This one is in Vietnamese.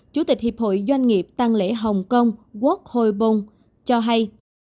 chủ tịch hiệp hội doanh nghiệp tăng lễ hồng kông quốc hội bùng cho hay